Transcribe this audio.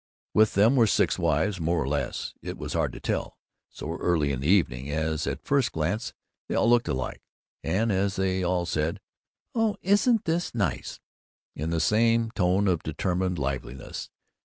With them were six wives, more or less it was hard to tell, so early in the evening, as at first glance they all looked alike, and as they all said, "Oh, isn't this nice!" in the same tone of determined liveliness.